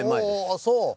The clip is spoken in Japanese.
ああそう。